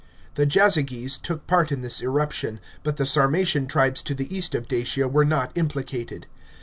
The Jazyges took part in this irruption, but the Sarmatian tribes to the east of Dacia were not implicated.